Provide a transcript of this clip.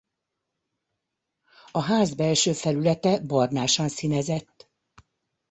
A ház belső felülete barnásan színezett.